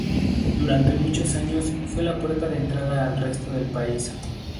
Durante muchos años fue la puerta de entrada al resto del país.